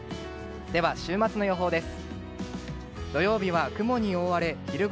では、週末の予報です。